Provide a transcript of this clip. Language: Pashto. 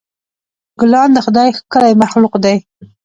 ګلان د خدای ښکلی مخلوق دی.